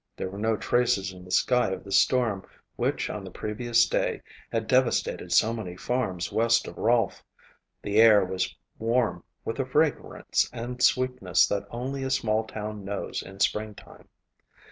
There were no traces in the sky of the storm which on the previous day had devastated so many farms west of Rolfe. The air was warm with a fragrance and sweetness that only a small town knows in springtime.